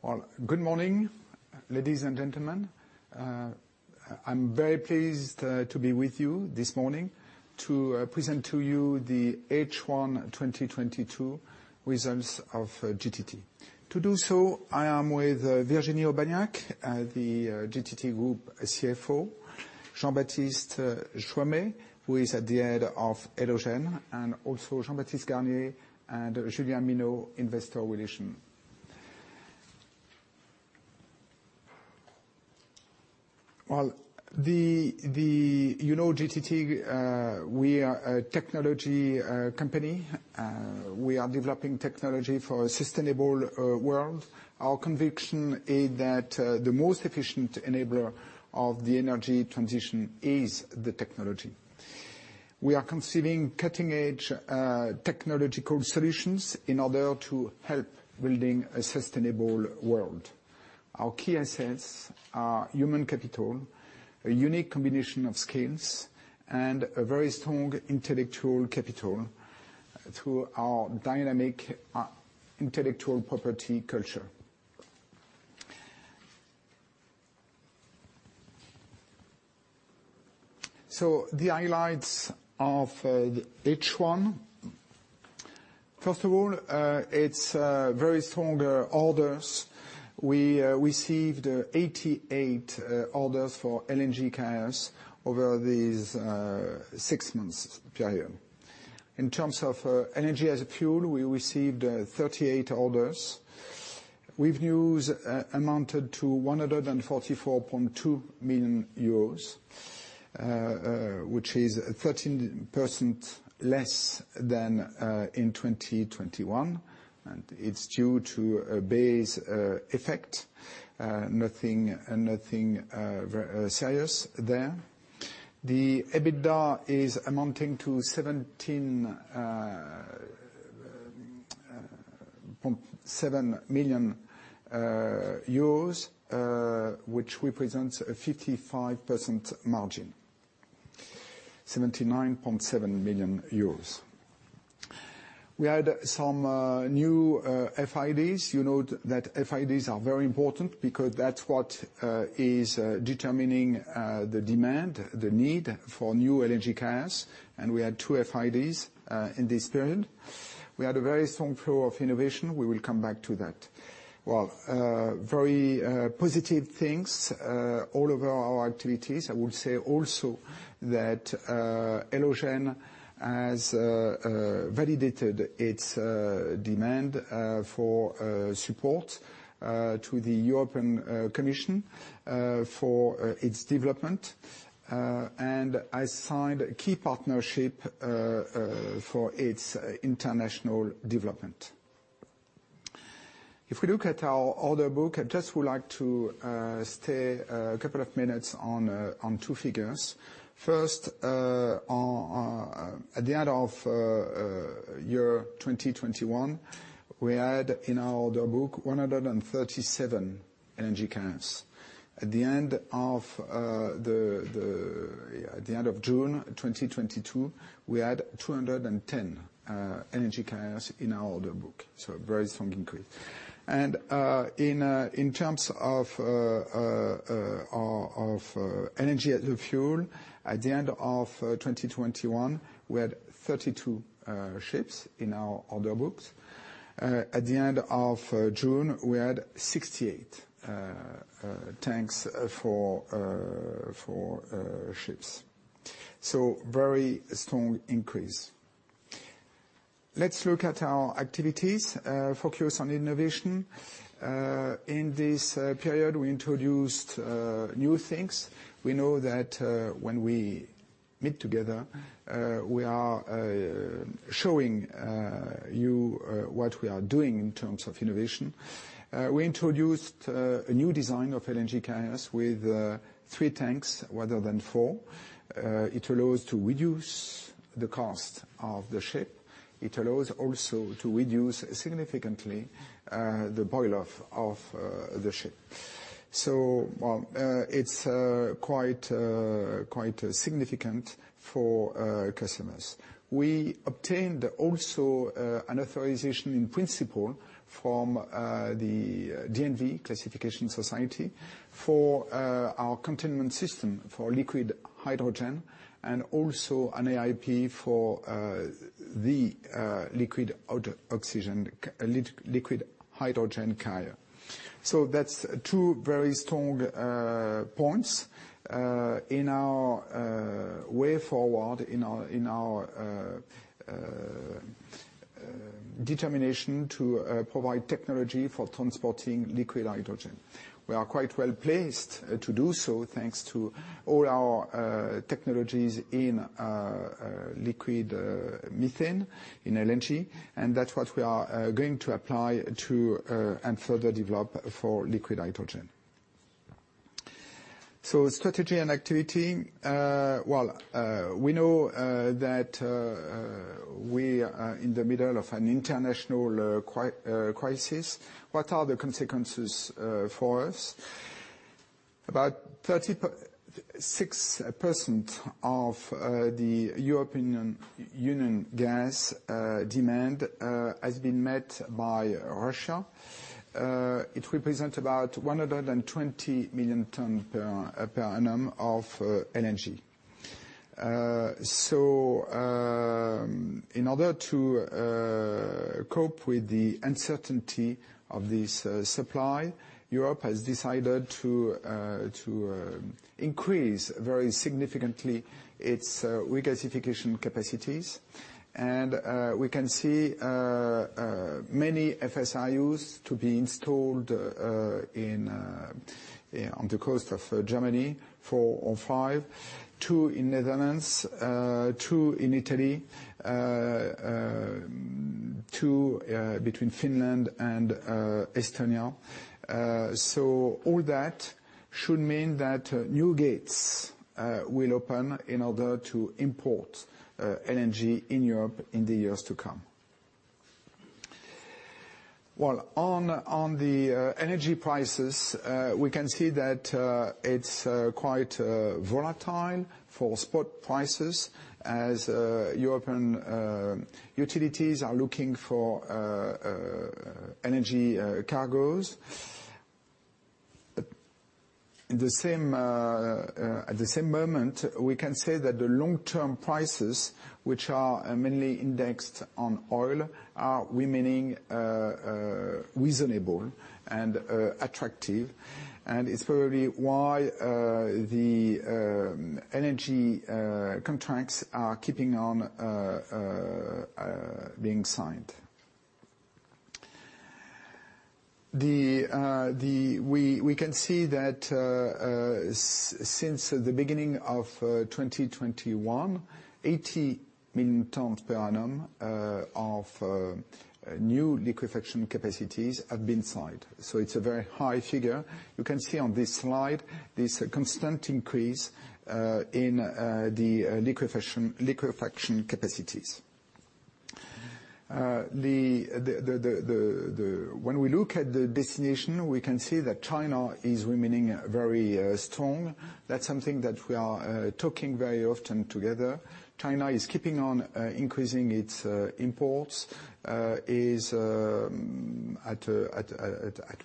Well, good morning, ladies and gentlemen. I'm very pleased to be with you this morning to present to you the H1 2022 results of GTT. To do so, I am with Virginie Aubagnac, the GTT Group CFO, Jean-Baptiste Choimet, who is at the head of Elogen, and also Jean-Baptiste Garnier and Julien Minot, Investor Relations. Well, you know GTT, we are a technology company. We are developing technology for a sustainable world. Our conviction is that the most efficient enabler of the energy transition is the technology. We are considering cutting-edge technological solutions in order to help building a sustainable world. Our key assets are human capital, a unique combination of skills, and a very strong intellectual capital through our dynamic intellectual property culture. The highlights of H1. First of all, it's very strong orders. We received 88 orders for LNG carriers over these six months period. In terms of energy as a fuel, we received 38 orders. Revenues amounted to 144.2 million euros, which is 13% less than in 2021. It's due to a base effect, nothing serious there. The EBITDA is amounting to 17.7 million euros, which represents a 55% margin. 79.7 million euros. We had some new FIDs. You know that FIDs are very important because that's what is determining the demand, the need for new LNG carriers, and we had two FIDs in this period. We had a very strong flow of innovation. We will come back to that. Well, very positive things all over our activities. I would say also that Elogen has validated its demand for support to the European Commission for its development and has signed a key partnership for its international development. If we look at our order book, I just would like to stay a couple of minutes on two figures. First, at the end of year 2021, we had in our order book 137 LNG carriers. At the end of June 2022, we had 210 LNG carriers in our order book, so a very strong increase. In terms of LNG as fuel, at the end of 2021, we had 32 ships in our order books. At the end of June, we had 68 tanks for ships. Very strong increase. Let's look at our activities, focus on innovation. In this period, we introduced new things. We know that when we meet together, we are showing you what we are doing in terms of innovation. We introduced a new design of LNG carriers with 3 tanks rather than 4. It allows to reduce the cost of the ship. It allows also to reduce significantly the boil-off of the ship. Well, it's quite significant for customers. We obtained also an authorization in principle from the DNV Classification Society for our containment system for liquid hydrogen and also an AIP for the liquid hydrogen carrier. That's two very strong points in our way forward, in our determination to provide technology for transporting liquid hydrogen. We are quite well-placed to do so, thanks to all our technologies in liquid methane, in LNG, and that's what we are going to apply to and further develop for liquid hydrogen. Strategy and activity. We know that we are in the middle of an international crisis. What are the consequences for us? About 36% of the European Union gas demand has been met by Russia. It represents about 120 million tons per annum of LNG. In order to cope with the uncertainty of this supply, Europe has decided to increase very significantly its regasification capacities. We can see many FSRUs to be installed in on the coast of Germany, 4 or 5. 2 in Netherlands, 2 in Italy, 2 between Finland and Estonia. All that should mean that new gates will open in order to import LNG in Europe in the years to come. While on the energy prices, we can see that it's quite volatile for spot prices as European utilities are looking for energy cargos. The same, at the same moment, we can say that the long-term prices, which are mainly indexed on oil, are remaining reasonable and attractive. It's probably why the energy contracts are keeping on being signed. We can see that since the beginning of 2021, 80 million tons per annum of new liquefaction capacities have been signed. It's a very high figure. You can see on this slide this constant increase in the liquefaction capacities. When we look at the destination, we can see that China is remaining very strong. That's something that we are talking very often together. China is keeping on increasing its imports at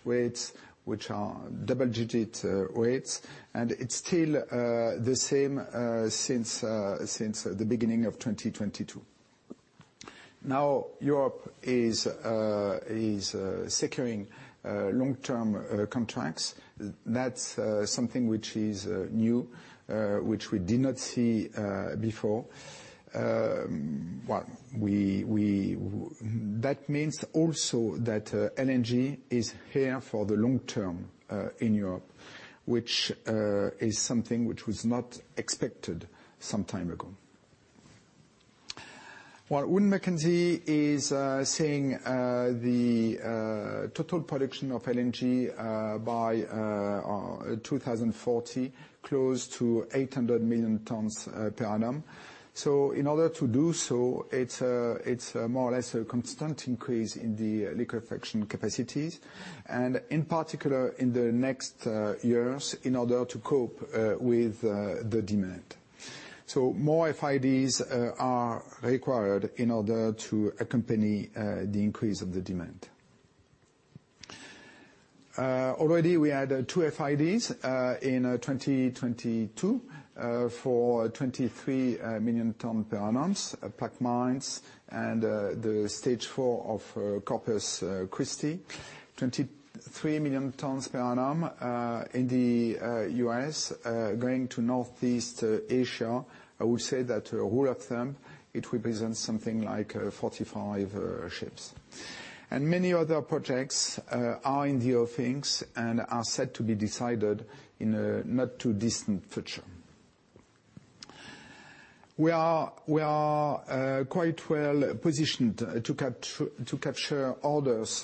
rates which are double-digit rates. It's still the same since the beginning of 2022. Now Europe is securing long-term contracts. That's something which is new, which we did not see before. That means also that LNG is here for the long term in Europe, which is something which was not expected some time ago. While Wood Mackenzie is saying the total production of LNG by 2040, close to 800 million tons per annum. In order to do so, it's a more or less constant increase in the liquefaction capacities, and in particular, in the next years in order to cope with the demand. More FIDs are required in order to accompany the increase of the demand. Already we had two FIDs in 2022 for 23 million tons per annum. Plaquemines and the stage four of Corpus Christi. 23 million tons per annum in the US going to Northeast Asia. I would say that rule of thumb, it represents something like 45 ships. Many other projects are in the offings and are set to be decided in a not too distant future. We are quite well positioned to capture orders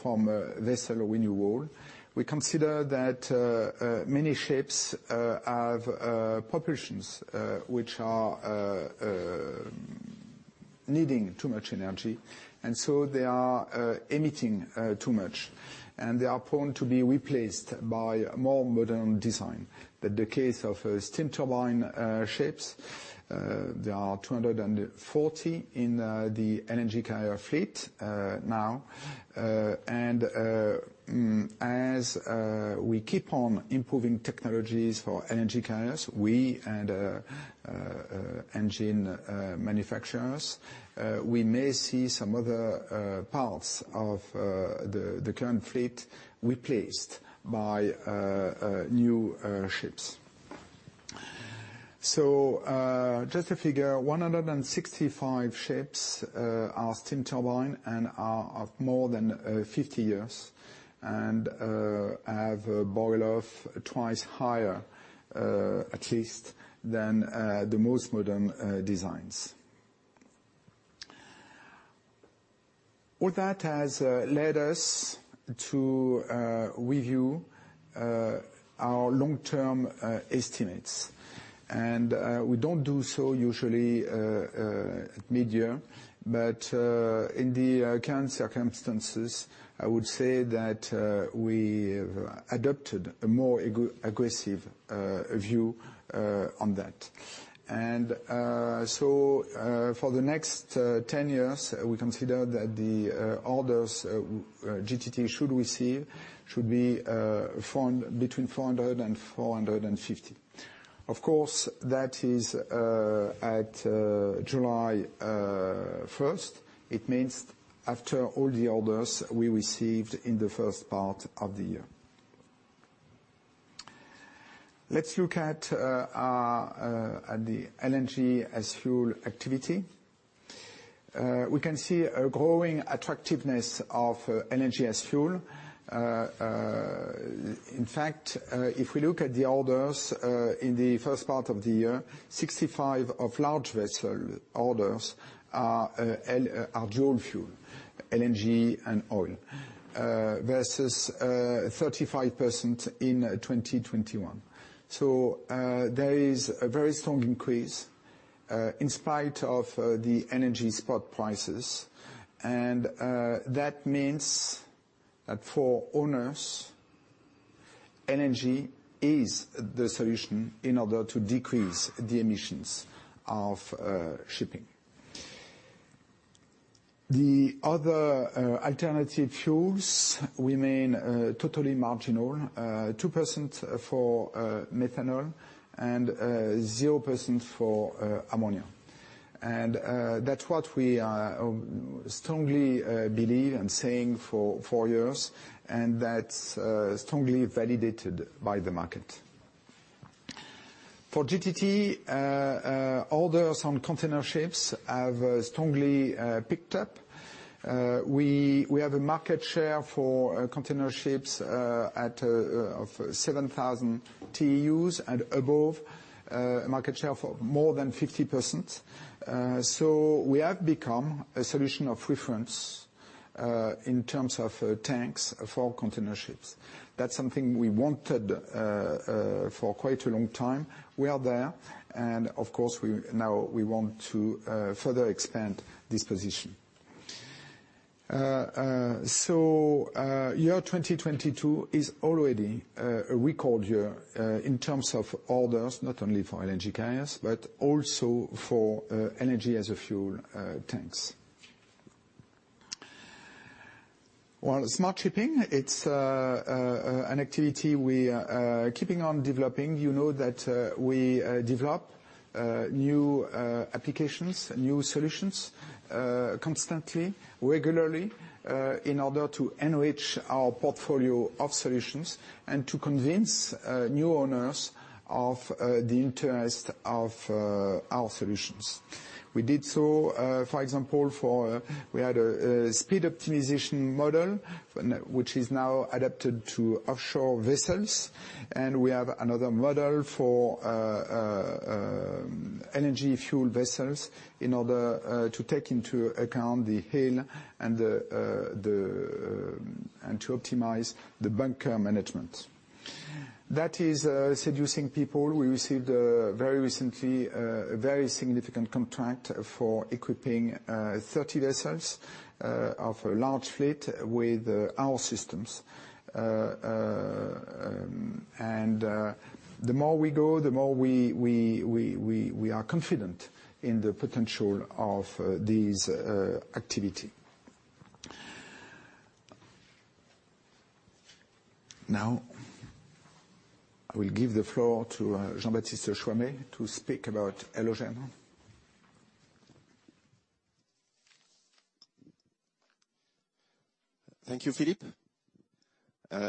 from vessel renewal. We consider that many ships have propulsions which are needing too much energy, and so they are emitting too much, and they are prone to be replaced by more modern design. That's the case of steam turbine ships, there are 240 in the LNG carrier fleet now. We keep on improving technologies for LNG carriers, we and engine manufacturers, we may see some other parts of the current fleet replaced by new ships. Just to figure 165 ships are steam turbine and are more than 50 years and have a boil-off twice higher at least than the most modern designs. All that has led us to review our long-term estimates. We don't do so usually at mid-year. In the current circumstances, I would say that we have adopted a more aggressive view on that. For the next 10 years, we consider that the orders GTT should receive should be between 400 and 450. Of course, that is at July 1. It means after all the orders we received in the first part of the year. Let's look at our LNG as fuel activity. We can see a growing attractiveness of LNG as fuel. In fact, if we look at the orders in the first part of the year, 65% of large vessel orders are dual fuel, LNG and oil versus 35% in 2021. There is a very strong increase in spite of the energy spot prices. That means that for owners, LNG is the solution in order to decrease the emissions of shipping. The other alternative fuels remain totally marginal, 2% for methanol, and 0% for ammonia. That's what we strongly believe and saying for four years, and that's strongly validated by the market. For GTT, orders on container ships have strongly picked up. We have a market share for container ships of 7,000 TEUs and above, a market share for more than 50%. We have become a solution of reference in terms of tanks for container ships. That's something we wanted for quite a long time. We are there, and of course, we now want to further expand this position. Year 2022 is already a record year in terms of orders, not only for LNG carriers, but also for LNG as a fuel tanks. Well, smart shipping, it's an activity we are keeping on developing. You know that we develop new applications, new solutions constantly, regularly in order to enrich our portfolio of solutions and to convince new owners of the interest of our solutions. We did so, for example, we had a speed optimization model which is now adapted to offshore vessels, and we have another model for LNG fuel vessels in order to take into account the hull and to optimize the bunker management. That is seducing people. We received very recently a very significant contract for equipping 30 vessels of a large fleet with our systems. The more we go, the more we are confident in the potential of these activity. Now, I will give the floor to Jean-Baptiste Choimet to speak about Elogen. Thank you, Philippe.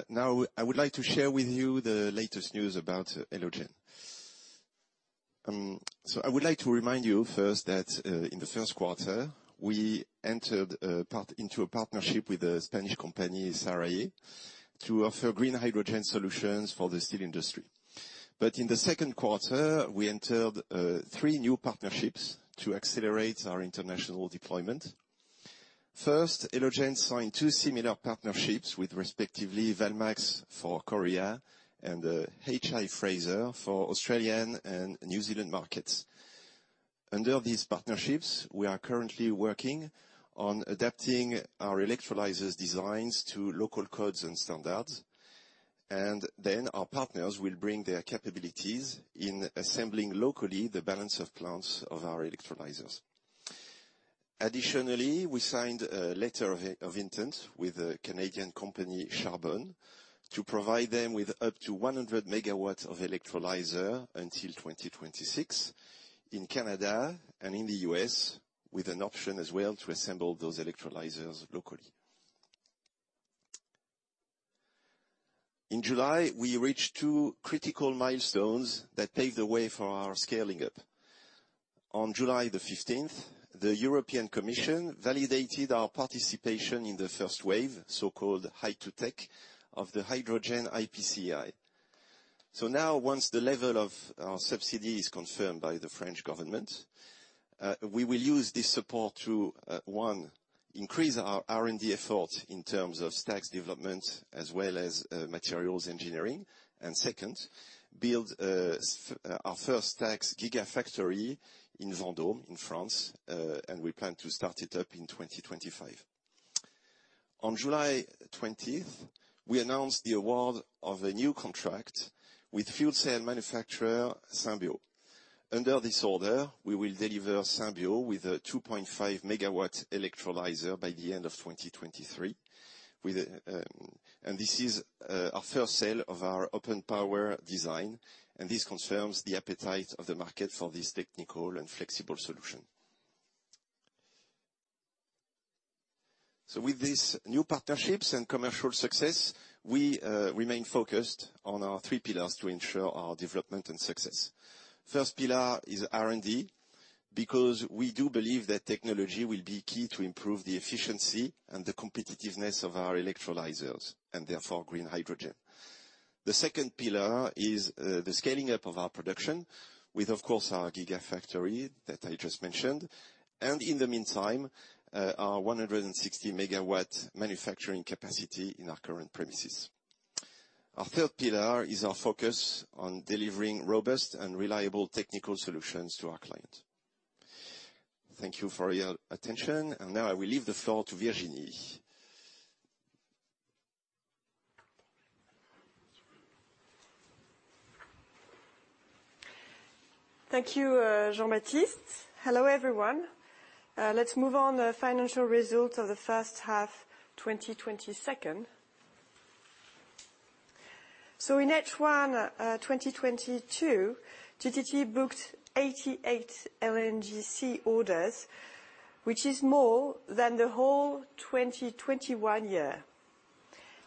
Now I would like to share with you the latest news about Elogen. I would like to remind you first that, in the Q1, we entered into a partnership with a Spanish company, Sarralle, to offer green hydrogen solutions for the steel industry. In the Q2, we entered three new partnerships to accelerate our international deployment. First, Elogen signed two similar partnerships with respectively Valmax for Korea and, H.I. Fraser for Australian and New Zealand markets. Under these partnerships, we are currently working on adapting our electrolyzers designs to local codes and standards, and then our partners will bring their capabilities in assembling locally the balance of plants of our electrolyzers. Additionally, we signed a letter of intent with a Canadian company, Charbone, to provide them with up to 100 megawatts of electrolyzers until 2026 in Canada and in the US, with an option as well to assemble those electrolyzers locally. In July, we reached two critical milestones that paved the way for our scaling up. On July 15, the European Commission validated our participation in the first wave, so-called Hy2Tech, of the Hydrogen IPCEI. Now, once the level of our subsidy is confirmed by the French government, we will use this support to one, increase our R&D effort in terms of stacks development as well as materials engineering, and second, build our first stacks gigafactory in Vendôme in France, and we plan to start it up in 2025. On July 20th, we announced the award of a new contract with fuel cell manufacturer Symbio. Under this order, we will deliver Symbio with a 2.5-megawatt electrolyzer by the end of 2023. This is our first sale of our OpenPOWER design, and this confirms the appetite of the market for this technical and flexible solution. With these new partnerships and commercial success, we remain focused on our three pillars to ensure our development and success. First pillar is R&D, because we do believe that technology will be key to improve the efficiency and the competitiveness of our electrolyzers, and therefore, green hydrogen. The second pillar is the scaling up of our production with, of course, our GigaFactory that I just mentioned, and in the meantime, our 160 megawatt manufacturing capacity in our current premises. Our third pillar is our focus on delivering robust and reliable technical solutions to our client. Thank you for your attention, and now I will leave the floor to Virginie. Thank you, Jean-Baptiste. Hello, everyone. Let's move on to the financial results of the first half 2022. In H1 2022, GTT booked 88 LNGC orders, which is more than the whole 2021 year.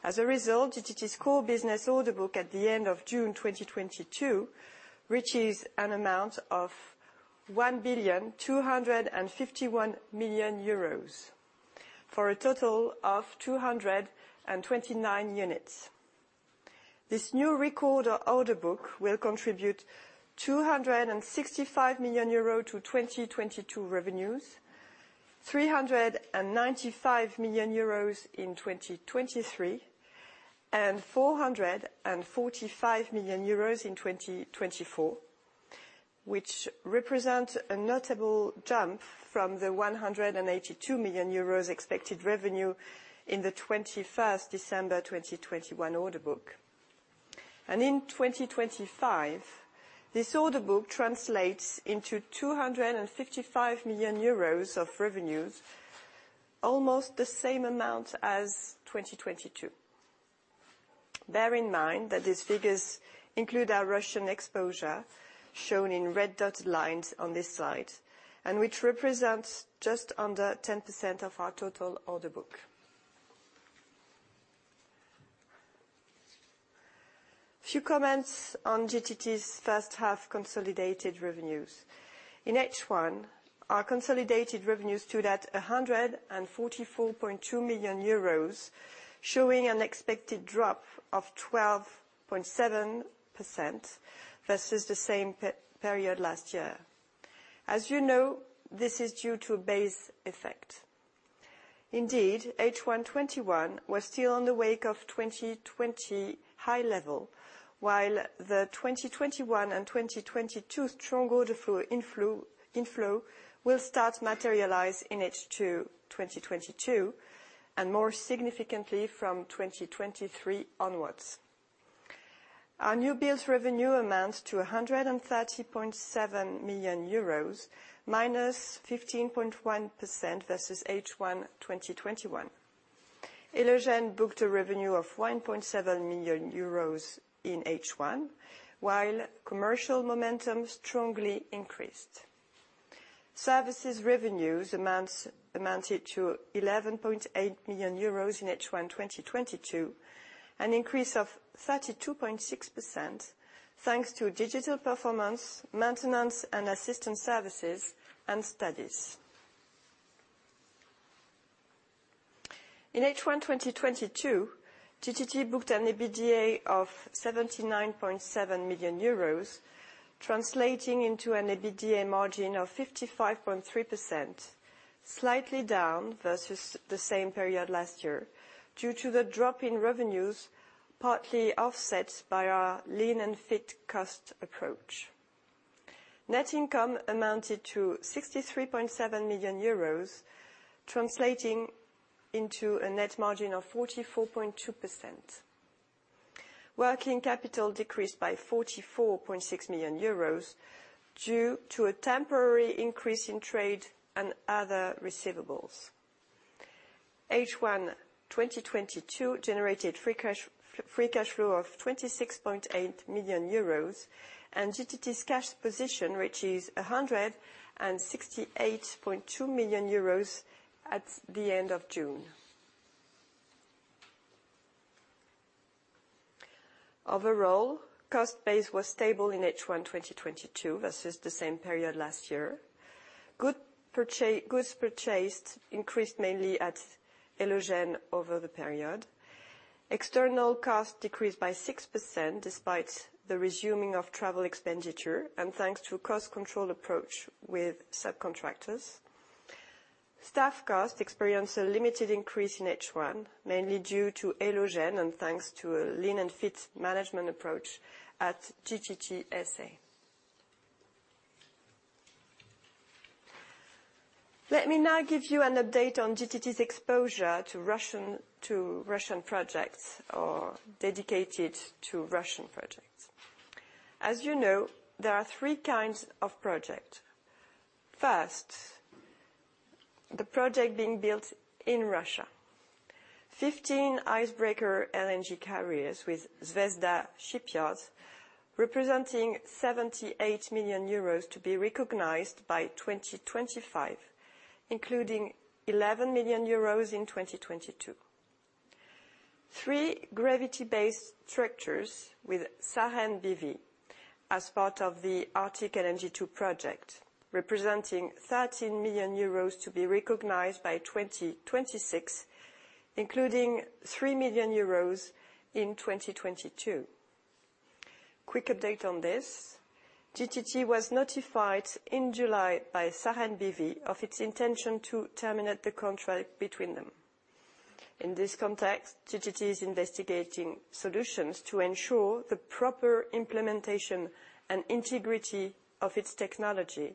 As a result, GTT's core business order book at the end of June 2022 reaches an amount of 1,251 million euros for a total of 229 units. This new record order book will contribute 265 million euro to 2022 revenues, 395 million euros in 2023, and 445 million euros in 2024, which represent a notable jump from the 182 million euros expected revenue in the 31 December 2021 order book. In 2025, this order book translates into 255 million euros of revenues, almost the same amount as 2022. Bear in mind that these figures include our Russian exposure, shown in red dotted lines on this slide, and which represents just under 10% of our total order book. Few comments on GTT's first half consolidated revenues. In H1, our consolidated revenues stood at 144.2 million euros, showing an expected drop of 12.7% versus the same period last year. As you know, this is due to a base effect. Indeed, H1 2021 was still in the wake of 2020 high level, while the 2021 and 2022 strong order flow inflow will start materialize in H2 2022, and more significantly from 2023 onwards. Our new builds revenue amounts to 130.7 million euros, -15.1% versus H1 2021. Elogen booked a revenue of 1.7 million euros in H1, while commercial momentum strongly increased. Services revenues amounted to 11.8 million euros in H1 2022, an increase of 32.6% thanks to digital performance, maintenance and assistance services, and studies. In H1 2022, GTT booked an EBITDA of 79.7 million euros, translating into an EBITDA margin of 55.3%, slightly down versus the same period last year due to the drop in revenues, partly offset by our lean and fit cost approach. Net income amounted to 63.7 million euros, translating into a net margin of 44.2%. Working capital decreased by 44.6 million euros due to a temporary increase in trade and other receivables. H1 2022 generated free cash, free cash flow of 26.8 million euros, and GTT's cash position reaches 168.2 million euros at the end of June. Overall, cost base was stable in H1 2022 versus the same period last year. Goods purchased increased mainly at Elogen over the period. External costs decreased by 6% despite the resuming of travel expenditure and thanks to a cost control approach with subcontractors. Staff costs experienced a limited increase in H1, mainly due to Elogen and thanks to a lean and fit management approach at GTT SA. Let me now give you an update on GTT's exposure to Russian projects or dedicated to Russian projects. As you know, there are three kinds of project. First, the project being built in Russia. 15 icebreaker LNG carriers with Zvezda Shipbuilding Complex, representing 78 million euros to be recognized by 2025, including 11 million euros in 2022. Three gravity-based structures with Saipem B.V. as part of the Arctic LNG 2 project, representing 13 million euros to be recognized by 2026, including 3 million euros in 2022. Quick update on this. GTT was notified in July by Saipem B.V. of its intention to terminate the contract between them. In this context, GTT is investigating solutions to ensure the proper implementation and integrity of its technology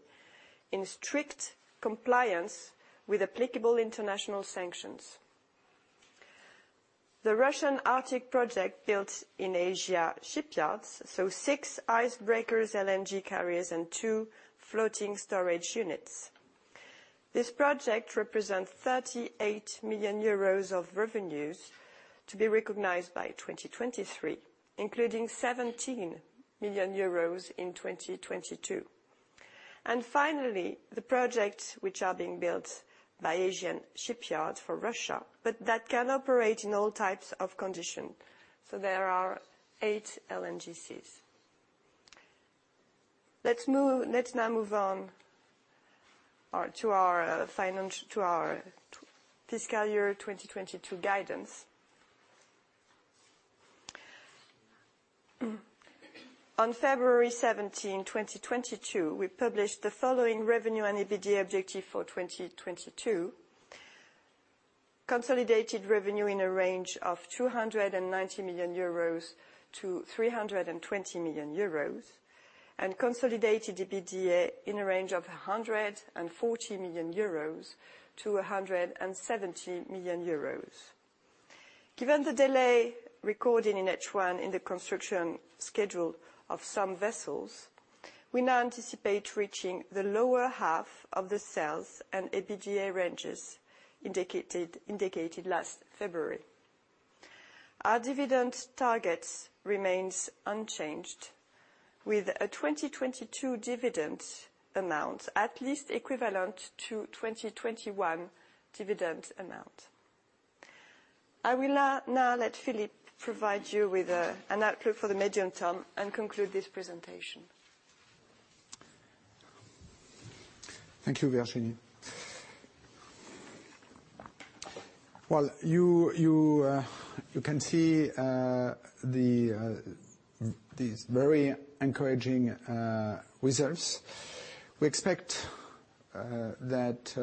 in strict compliance with applicable international sanctions. The Russian Arctic project built in Asian shipyards, so 6 icebreaker LNG carriers and 2 floating storage units. This project represents 38 million euros of revenues to be recognized by 2023, including 17 million euros in 2022. Finally, the projects which are being built by Asian shipyards for Russia, but that can operate in all types of conditions. There are 8 LNGCs. Let's now move on to our fiscal year 2022 guidance. On February 17, 2022, we published the following revenue and EBITDA objective for 2022. Consolidated revenue in a range of 290 million-320 million euros, and consolidated EBITDA in a range of 140 million-170 million euros. Given the delay recorded in H1 in the construction schedule of some vessels, we now anticipate reaching the lower half of the sales and EBITDA ranges indicated last February. Our dividend target remains unchanged, with a 2022 dividend amount at least equivalent to 2021 dividend amount. I will now let Philippe provide you with an outlook for the medium term and conclude this presentation. Thank you, Virginie. You can see these very encouraging results. We expect that,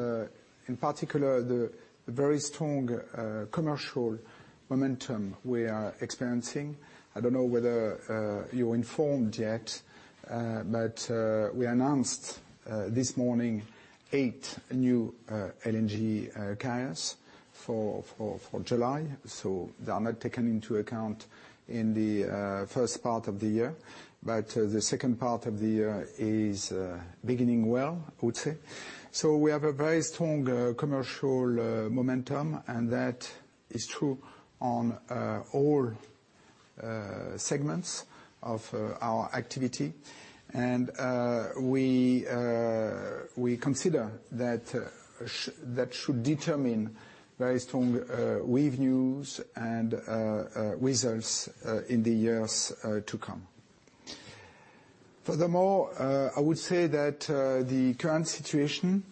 in particular, the very strong commercial momentum we are experiencing. I don't know whether you're informed yet, but we announced this morning 8 new LNG carriers for July, so they are not taken into account in the first part of the year. The second part of the year is beginning well, I would say. We have a very strong commercial momentum, and that is true on all segments of our activity. We consider that should determine very strong revenues and results in the years to come. Furthermore, I would say that the current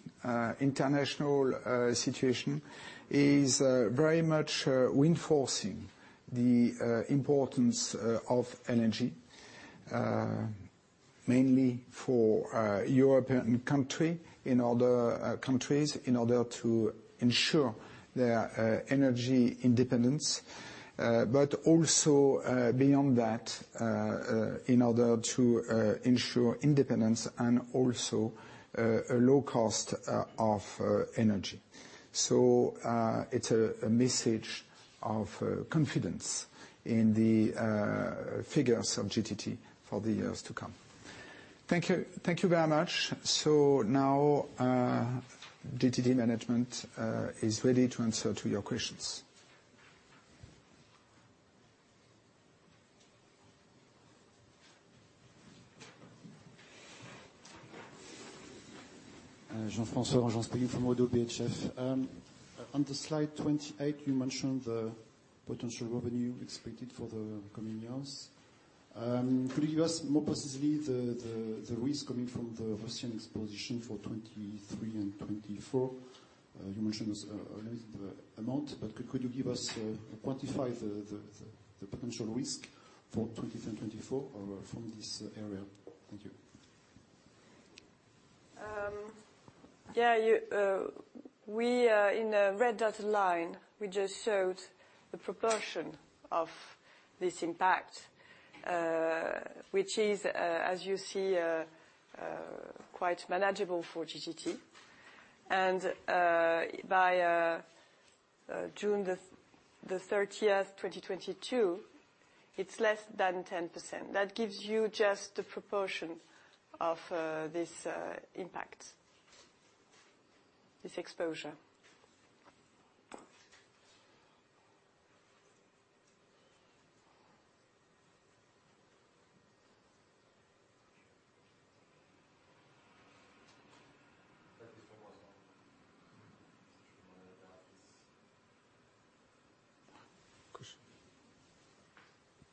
international situation is very much reinforcing the importance of energy mainly for European country, in other countries, in order to ensure their energy independence. Also, beyond that, in order to ensure independence and also a low cost of energy. It's a message of confidence in the figures of GTT for the years to come. Thank you. Thank you very much. Now, GTT management is ready to answer to your questions. Jean-Francois Granjon from Oddo BHF. On the slide 28, you mentioned the potential revenue expected for the coming years. Could you give us more precisely the risk coming from the Russian exposure for 2023 and 2024? You mentioned a limited amount, but could you give us or quantify the potential risk for 2023 and 2024 from this area? Thank you. In the red dotted line, we just showed the proportion of this impact, which is, as you see, quite manageable for GTT. By June 30, 2022, it's less than 10%. That gives you just the proportion of this impact, this exposure.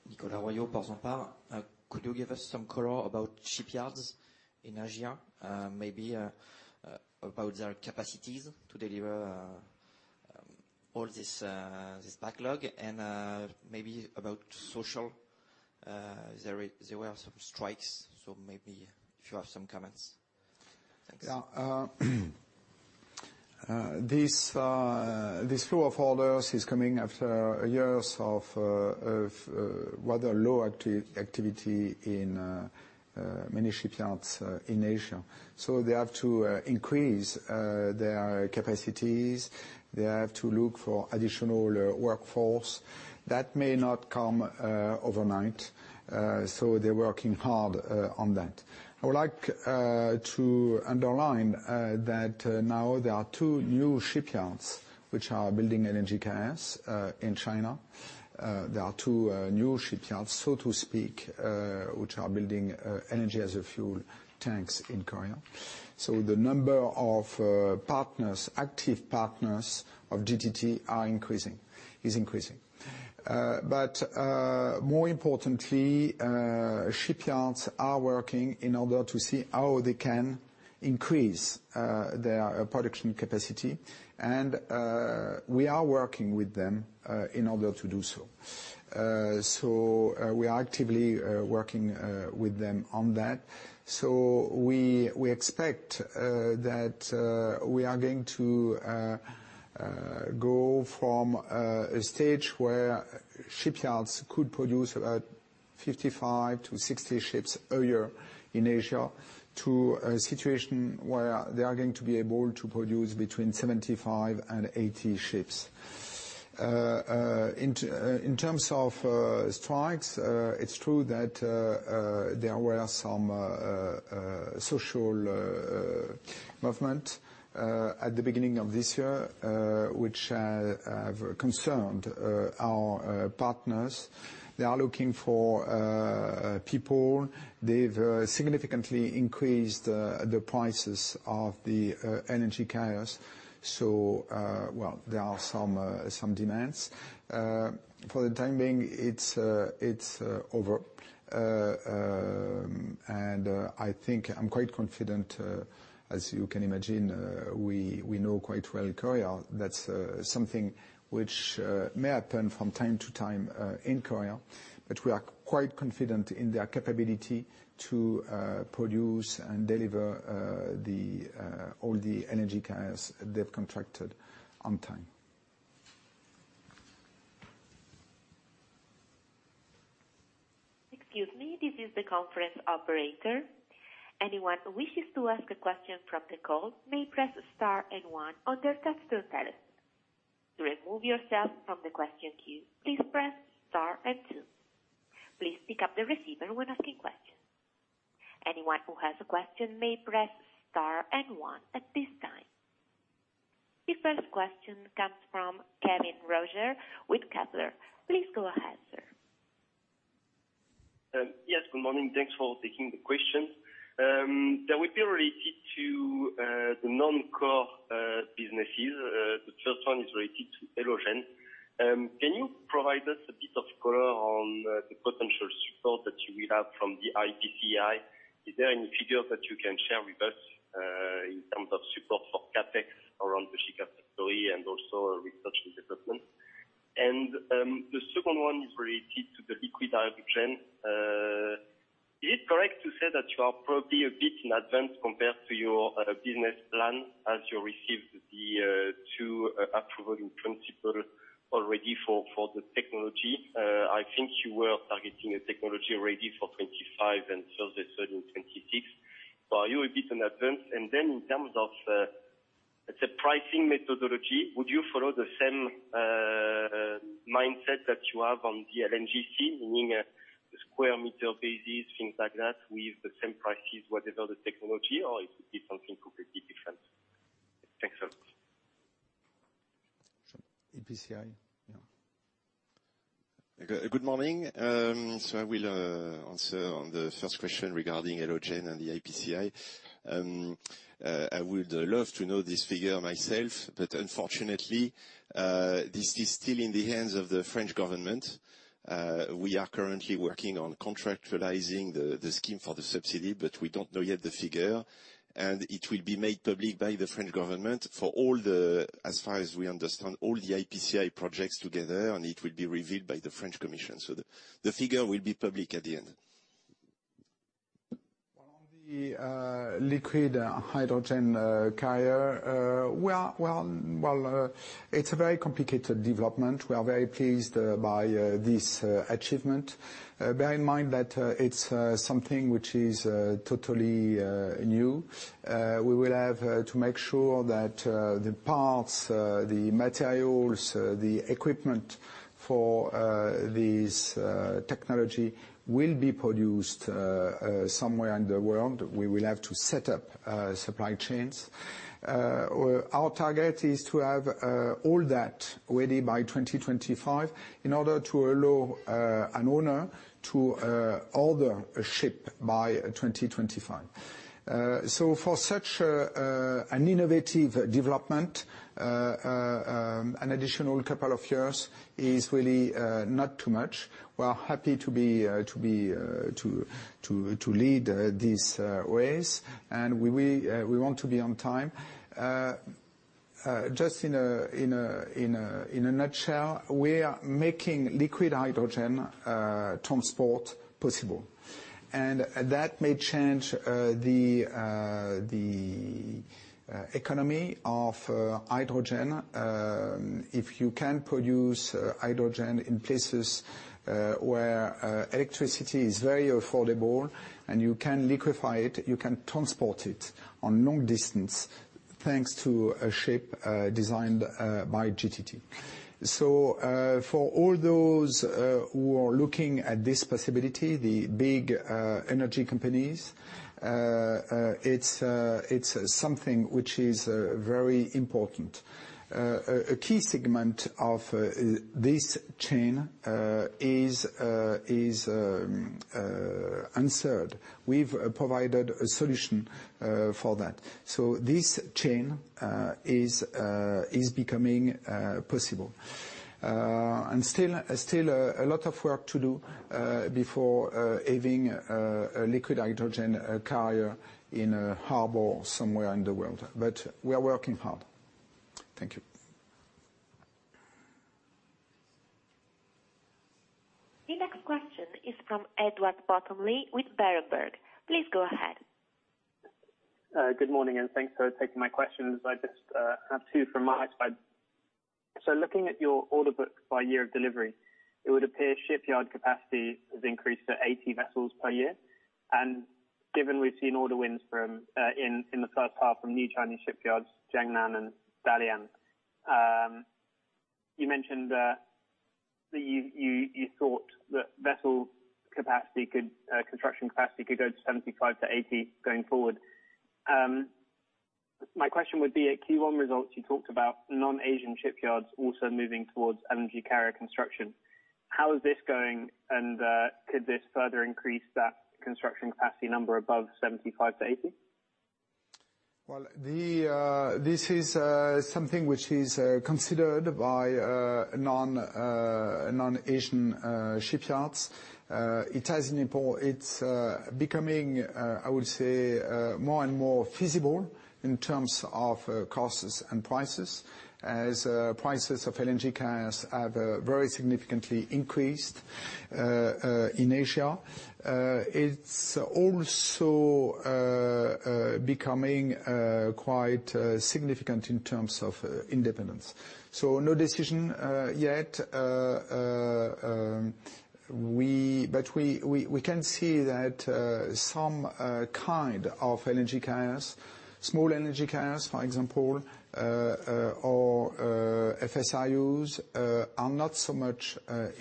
Nicolas Royot, Portzamparc. Could you give us some color about shipyards in Asia, maybe about their capacities to deliver all this backlog and maybe about social. There were some strikes, so maybe if you have some comments. Thanks. This flow of orders is coming after years of rather low activity in many shipyards in Asia. They have to increase their capacities. They have to look for additional workforce. That may not come overnight, so they're working hard on that. I would like to underline that now there are two new shipyards which are building LNG carriers in China. There are two new shipyards, so to speak, which are building LNG as fuel tanks in Korea. The number of active partners of GTT is increasing. More importantly, shipyards are working in order to see how they can increase their production capacity and we are working with them in order to do so. We are actively working with them on that. We expect that we are going to go from a stage where shipyards could produce about 55-60 ships a year in Asia to a situation where they are going to be able to produce between 75-80 ships. In terms of strikes, it's true that there were some social movement at the beginning of this year, which concerned our partners. They are looking for people. They've significantly increased the prices of the energy carriers. Well, there are some demands. For the time being, it's over. I think I'm quite confident, as you can imagine, we know quite well in Korea, that's something which may happen from time to time in Korea, but we are quite confident in their capability to produce and deliver all the energy carriers they've contracted on time. Excuse me, this is the conference operator. Anyone who wishes to ask a question from the call may press star and one on their touchtone telephone. To remove yourself from the question queue, please press star and two. Please pick up the receiver when asking questions. Anyone who has a question may press star and one at this time. The first question comes from Kevin Roger with Kepler Cheuvreux. Please go ahead, sir. Yes. Good morning. Thanks for taking the question. They will be related to the non-core businesses. The first one is related to Elogen. Can you provide us a bit of color on the potential support that you will have from the IPCEI? Is there any figures that you can share with us in terms of support for CapEx around the GigaFactory story and also research and development? The second one is related to the liquid hydrogen. Is it correct to say that you are probably a bit in advance compared to your business plan as you received the two approvals in principle already for the technology? I think you were targeting a technology ready for 2025 and first delivery in 2026. Are you a bit in advance? In terms of the pricing methodology, would you follow the same mindset that you have on the LNG scene, meaning a square meter basis, things like that, with the same prices, whatever the technology, or it could be something completely different? IPCEI, yeah. Good morning. I will answer on the first question regarding Elogen and the IPCEI. I would love to know this figure myself, but unfortunately, this is still in the hands of the French government. We are currently working on contractualizing the scheme for the subsidy, but we don't know yet the figure. It will be made public by the French government for all the, as far as we understand, all the IPCEI projects together, and it will be reviewed by the French commission. The figure will be public at the end. Well, on the liquid hydrogen carrier, it's a very complicated development. We are very pleased by this achievement. Bear in mind that it's something which is totally new. We will have to make sure that the parts, the materials, the equipment for this technology will be produced somewhere in the world. We will have to set up supply chains. Our target is to have all that ready by 2025 in order to allow an owner to order a ship by 2025. For such an innovative development, an additional couple of years is really not too much. We are happy to lead these ways. We want to be on time. Just in a nutshell, we are making liquid hydrogen transport possible. That may change the economy of hydrogen. If you can produce hydrogen in places where electricity is very affordable, and you can liquefy it, you can transport it on long distance, thanks to a ship designed by GTT. For all those who are looking at this possibility, the big energy companies, it's something which is very important. A key segment of this chain is addressed. We've provided a solution for that. This chain is becoming possible. Still a lot of work to do before having a liquid hydrogen carrier in a harbor somewhere in the world. We are working hard. Thank you. The next question is from Edward Bottomley with Berenberg. Please go ahead. Good morning, and thanks for taking my questions. I just have two from my side. Looking at your order book by year of delivery, it would appear shipyard capacity has increased to 80 vessels per year. Given we've seen order wins from in the first half from new Chinese shipyards, Jiangnan and Dalian, you mentioned that you thought that construction capacity could go to 75-80 going forward. My question would be at Q1 results, you talked about non-Asian shipyards also moving towards LNG carrier construction. How is this going, and could this further increase that construction capacity number above 75-80? Well, this is something which is considered by non-Asian shipyards. It has an impact. It's becoming, I would say, more and more feasible in terms of costs and prices as prices of LNG carriers have very significantly increased in Asia. It's also becoming quite significant in terms of independence. No decision yet. We can see that some kind of LNG carriers, small LNG carriers, for example, or FSRUs, are not so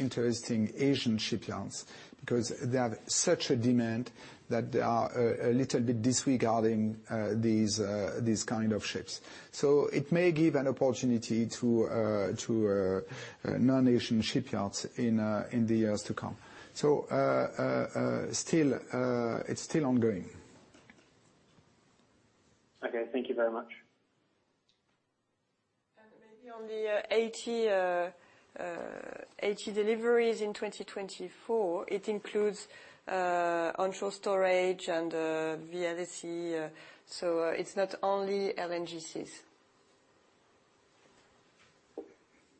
interesting to Asian shipyards, because they have such a demand that they are a little bit disregarding these kind of ships. It may give an opportunity to non-Asian shipyards in the years to come. Still, it's still ongoing. Okay, thank you very much. Maybe on the 80 deliveries in 2024, it includes onshore storage and VLEC, so it's not only LNGCs.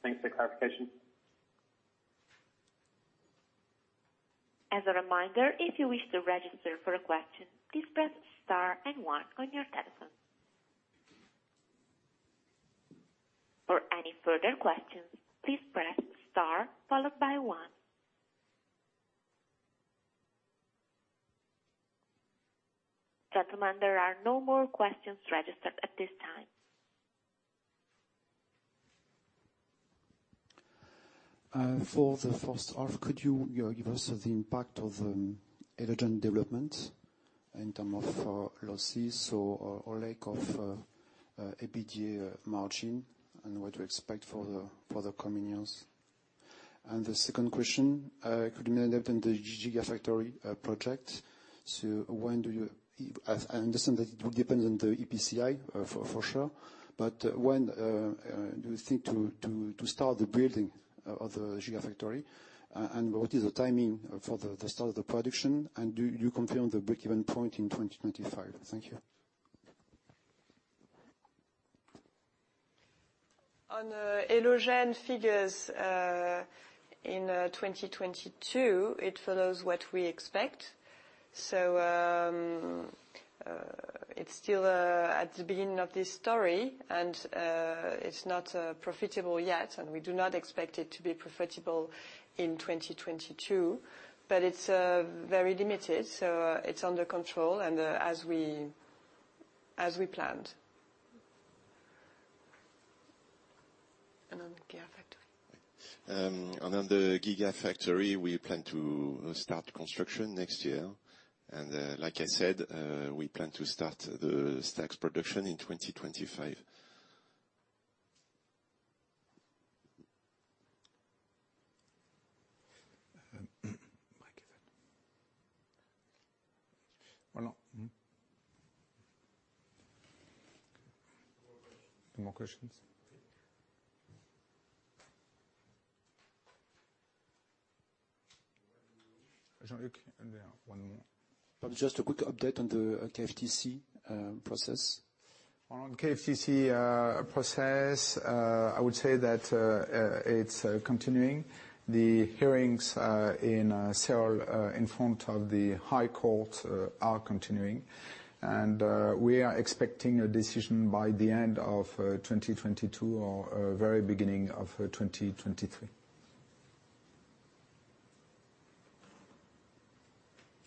Thanks for clarification. As a reminder, if you wish to register for a question, please press star and one on your telephone. For any further questions, please press star followed by one. Gentlemen, there are no more questions registered at this time. For the first half, could you know, give us the impact of Elogen development in terms of losses or lack of EBITDA margin and what to expect for the coming years? The second question on the GigaFactory project. As I understand it will depend on the EPCI for sure. When do you think to start the building of the GigaFactory, and what is the timing for the start of the production? Do you confirm the breakeven point in 2025? Thank you. On Elogen figures in 2022, it follows what we expect. It's still at the beginning of this story, and it's not profitable yet, and we do not expect it to be profitable in 2022. It's very limited, so it's under control and as we planned. On GigaFactory. On the GigaFactory, we plan to start construction next year. Like I said, we plan to start the stacks production in 2025. Mic is on. Voilà. More questions. More questions. Jean-Luc and then one more. Just a quick update on the KFTC process. On KFTC process, I would say that it's continuing. The hearings in Seoul in front of the Seoul High Court are continuing. We are expecting a decision by the end of 2022 or very beginning of 2023.